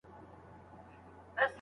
نو ذهنونه فعالېږي.